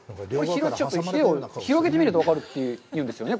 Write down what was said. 広げてみると分かるというんですよね。